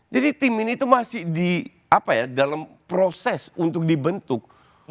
jadi tim ini itu masih di apa ya dalam proses untuk dibentuk